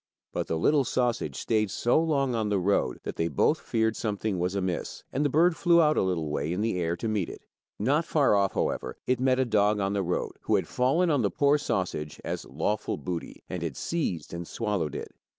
But the little sausage stayed so long on the road that they both feared something was amiss, and the bird flew out a little way in the air to meet it. Not far off, however, it met a dog on the road who had fallen on the poor sausage as lawful booty, and had seized and swallowed it.